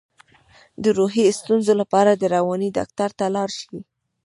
د روحي ستونزو لپاره د رواني ډاکټر ته لاړ شئ